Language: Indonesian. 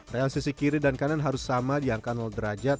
real sisi kiri dan kanan harus sama di angka derajat